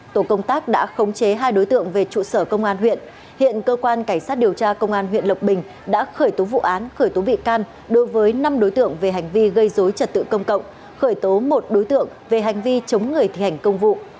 tổ công tác đã khống chế hai đối tượng về trụ sở công an huyện hiện cơ quan cảnh sát điều tra công an huyện lộc bình đã khởi tố vụ án khởi tố bị can đối với năm đối tượng về hành vi gây dối trật tự công cộng khởi tố một đối tượng về hành vi chống người thi hành công vụ